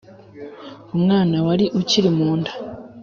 umwana wari ukiri mu nda.